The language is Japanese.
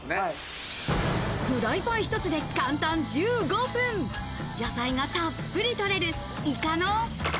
フライパン一つで簡単１５分、野菜がたっぷりとれるイカの。